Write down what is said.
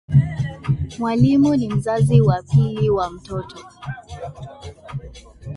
Mwalimu ni mzazi wa pili wa mtoto